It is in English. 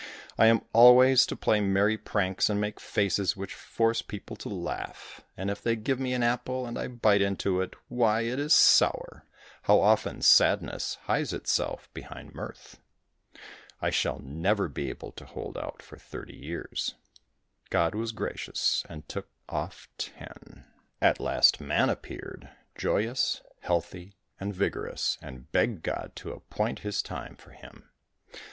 I am always to play merry pranks, and make faces which force people to laugh, and if they give me an apple, and I bite into it, why it is sour! How often sadness hides itself behind mirth! I shall never be able to hold out for thirty years." God was gracious and took off ten. At last man appeared, joyous, healthy and vigorous, and begged God to appoint his time for him.